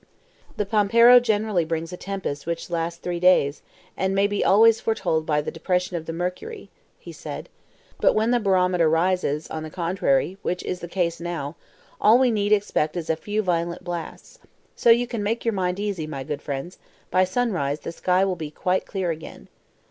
"The PAMPERO generally brings a tempest which lasts three days, and may be always foretold by the depression of the mercury," he said. "But when the barometer rises, on the contrary, which is the case now, all we need expect is a few violent blasts. So you can make your mind easy, my good friend; by sunrise the sky will be quite clear again."